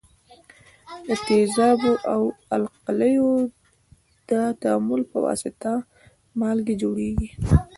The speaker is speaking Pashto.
د تیزابو او القلیو د تعامل په واسطه مالګې جوړیږي.